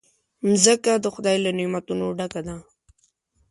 مځکه د خدای له نعمتونو ډکه ده.